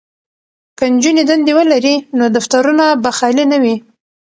که نجونې دندې ولري نو دفترونه به خالي نه وي.